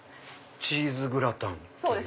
チーズグラタンという。